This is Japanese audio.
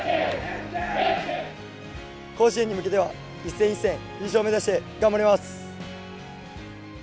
甲子園に向けては一戦一戦優勝目指して頑張ります。